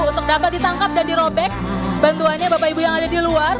untuk dapat ditangkap dan dirobek bantuannya bapak ibu yang ada di luar